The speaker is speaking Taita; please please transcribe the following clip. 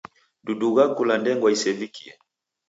Dudugha kula ndengwa isevikie.